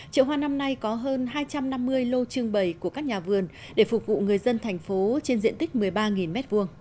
chợ hoa năm nay có hơn hai trăm năm mươi lô trưng bày của các nhà vườn để phục vụ người dân thành phố trên diện tích một mươi ba m hai